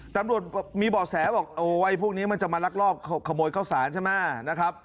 ตำรวจมีบ่อแสบอกโอ้ไอ้พวกนี้มันจะมาลักลอบขโมยข้าวสารใช่ไหมนะครับ